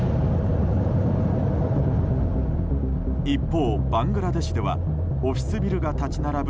一方、バングラデシュではオフィスビルが立ち並ぶ